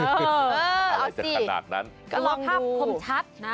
เออเอาสิก็ลองทับคมชัด